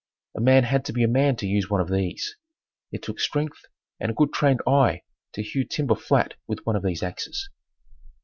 A man had to be a man to use one of these. It took strength and a good trained eye to hew timber flat with one of these axes.